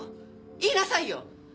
言いなさいよ！